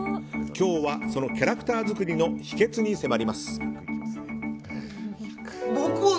今日は、そのキャラクター作りの秘訣に迫ります。